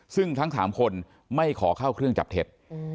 ซึ่งทั้ง๓คนไม่ขอเข้าเครื่องจับเท็จ